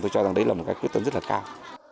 tôi cho rằng đấy là một cái quyết tâm rất là cao